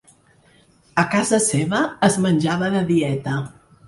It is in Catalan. A casa seva es menjava de dieta.